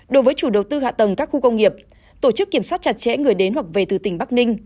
đối với chủ đầu tư hạ tầng các khu công nghiệp tổ chức kiểm soát chặt chẽ người đến hoặc về từ tỉnh bắc ninh